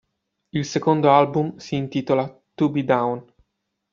Il suo secondo album si intitola "To Be Down".